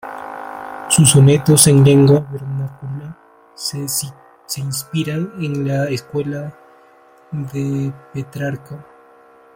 Sus sonetos en lengua vernácula se inspiran en la escuela de Petrarca.